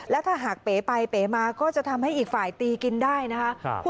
และถ้าหากเป๋ไปเป๋มาก็จะทำให้อีกฝ่ายตีกินได้นะคะ